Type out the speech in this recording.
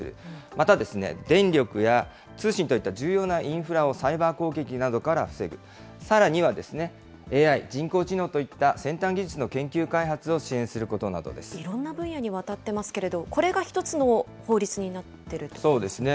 また、電力や通信といった重要なインフラをサイバー攻撃などから防ぐ、さらにはＡＩ・人工知能といった先端技術の研究開発を支援いろんな分野にわたってますけど、これが一つの法律になっているということですね。